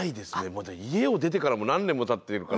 また家を出てから何年もたってるから。